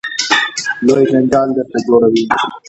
لوی جنجال درته جوړوي.